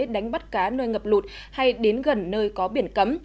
đánh bắt cá nơi ngập lụt hay đến gần nơi có biển cấm